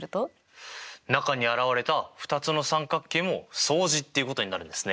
中に現れた２つの三角形も相似っていうことになるんですね。